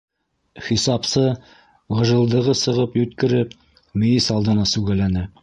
- Хисапсы ғыжылдығы сығып йүткереп, мейес алдына сүгәләне.